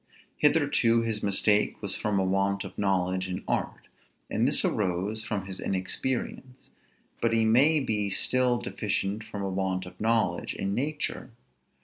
Hitherto his mistake was from a want of knowledge in art, and this arose from his inexperience; but he may be still deficient from a want of knowledge in nature.